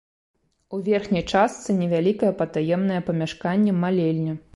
У верхняй частцы невялікае патаемнае памяшканне-малельня.